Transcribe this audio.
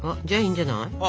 じゃあいいんじゃない？